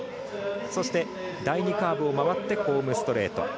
そして、第２カーブを回ってホームストレート。